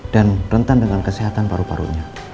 dan rentan dengan kesehatan paru parunya